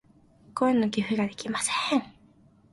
声の寄付ができません。